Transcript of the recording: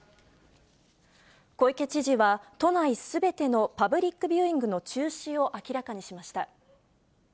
小池知事は、都内すべてのパブリックビューイングの中止を明らかにしました。